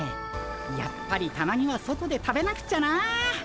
やっぱりたまには外で食べなくちゃな。